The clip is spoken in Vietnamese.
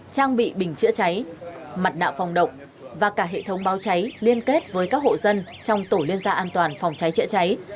trang bị bình chữa cháy mặt nạ phòng động và cả hệ thống báo cháy liên kết với các hộ dân trong tổ liên gia an toàn phòng cháy chữa cháy